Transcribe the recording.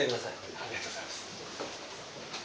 ありがとうございます。